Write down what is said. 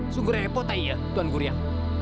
sungguh repot ya tuan gurian